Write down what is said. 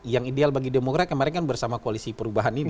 yang ideal bagi demokrat kemarin kan bersama koalisi perubahan ini